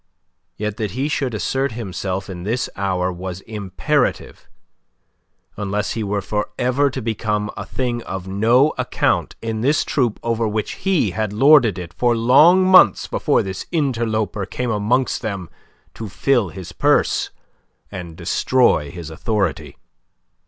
Yet that he should assert himself in this hour was imperative unless he were for ever to become a thing of no account in this troupe over which he had lorded it for long months before this interloper came amongst them to fill his purse and destroy his authority.